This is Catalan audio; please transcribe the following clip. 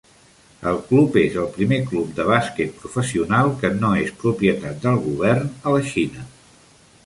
El club és el primer club de bàsquet professional que no és propietat del govern a la Xina.